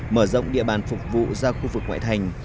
mở rộng địa bàn phục vụ ra khu vực ngoại thành